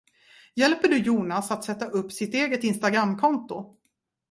Hjälper du Jonas att sätta upp sitt eget instagramkonto?